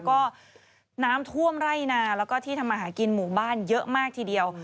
ก็น้ำท่วมไร่นาแล้วก็ที่ทำมาหากินหมู่บ้านเยอะมากทีเดียว